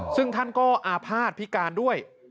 ซึ่งท่านก็อาภาษณ์พิการด้วย